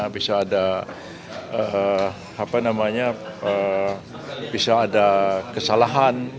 bisa ada kesalahan